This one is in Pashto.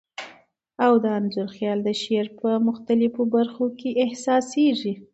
او د انځور خیال د شعر په مختلفو بر خو کي احسا سیږی.